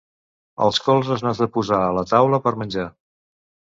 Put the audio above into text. Els colzes no has de posar a la taula per menjar.